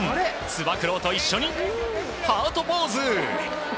つば九郎と一緒にハートポーズ。